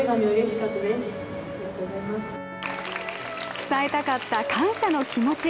伝えたかった感謝の気持ち。